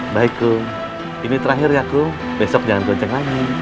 baikku ini terakhir ya kum besok jangan kenceng lagi